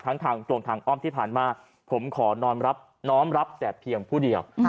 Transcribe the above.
ทั้งทางตรงทางอ้อมที่ผ่านมาผมขอน้องรับแต่เพียงผู้เดียว